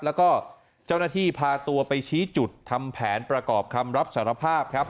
แล้วก็เจ้าหน้าที่พาตัวไปชี้จุดทำแผนประกอบคำรับสารภาพครับ